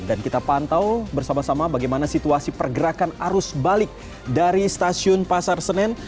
dan kita pantau bersama sama bagaimana situasi pergerakan arus balik dari stasiun pasar senen